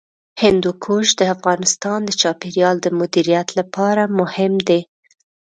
هندوکش د افغانستان د چاپیریال د مدیریت لپاره مهم دي.